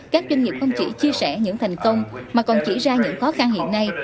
các doanh nghiệp không chỉ chia sẻ những thành công mà còn chỉ ra những khó khăn hiện nay